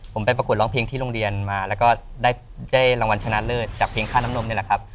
ผมไปประกวดร้องเพลงที่โรงเรียนมาแล้วก็ได้รางวัลชนะเลิศจากเพลงค่าน้ำนมนี่แหละครับ